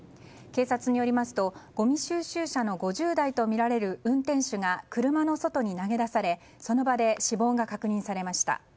警察によりますとごみ収集車の５０代とみられる運転手が車の外に投げ出されその場で死亡が確認されました。